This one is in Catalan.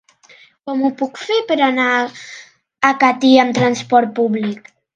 Com ho puc fer per anar a Catí amb transport públic?